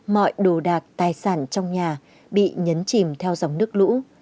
mọi đồ đạc tài sản trong nhà bị nhấn chìm theo dòng nước lũ